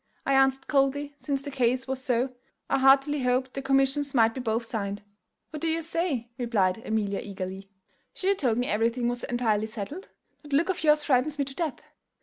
I answered coldly, since the case was so, I heartily hoped the commissions might be both signed. 'What do you say?' replied Amelia eagerly; 'sure you told me everything was entirely settled. That look of yours frightens me to death.